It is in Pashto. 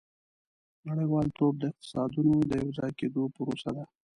• نړیوالتوب د اقتصادونو د یوځای کېدو پروسه ده.